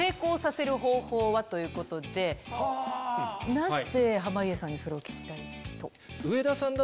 なぜ濱家さんにそれを聞きたいと？